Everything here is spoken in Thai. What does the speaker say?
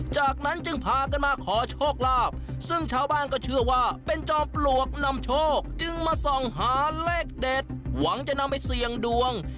จากนั้นจึงพากันมาขอโชคลาภซึ่งชาวบ้านก็เชื่อว่าเป็นจอมปลวกนำโชคจึงมาส่องหาเลขเด็ดหวังจะนำไปเสี่ยงดวง